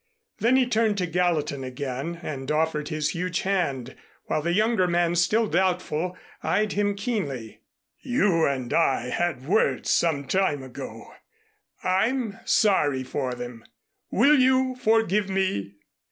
Then he turned to Gallatin again, and offered his huge hand, while the younger man, still doubtful, eyed him keenly. "You and I had words some time ago. I'm sorry for them. Will you forgive me?"